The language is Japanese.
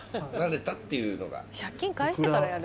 借金返してからやれ。